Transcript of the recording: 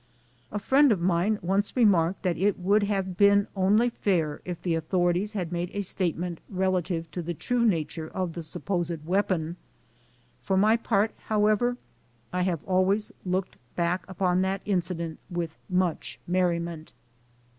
A friend of mine once remarked that it would have been only fair if the authorities had made a state ment relative to the true nature of the supposed weapon. For my part, however, I have always looked back upon that incident with much merriment.